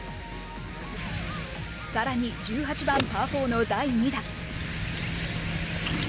さらに１８番のパー４の第２打。